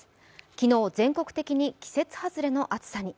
昨日、全国的に季節外れの暑さに。